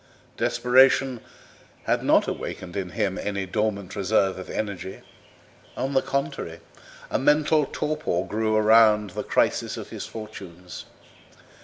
Desperation had not awakened in him any dormant reserve of energy; on the contrary, a mental torpor grew up round the crisis of his fortunes.